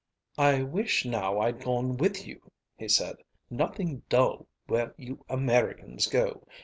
"I wish now I'd gone with you," he said. "Nothing dull where you Americans go.